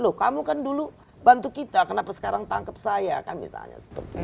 loh kamu kan dulu bantu kita kenapa sekarang tangkep saya kan misalnya seperti itu